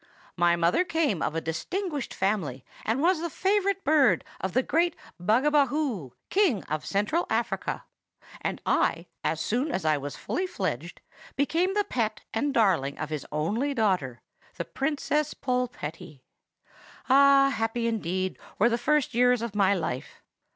My mother came of a distinguished family, and was the favorite bird of the great Bhughabhoo, King of Central Africa; and I, as soon as I was fully fledged, became the pet and darling of his only daughter, the Princess Polpetti. Ah! happy, indeed, were the first years of my life!